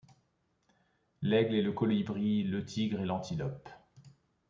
L’aigle et le colibri, le tigre et l’antilope.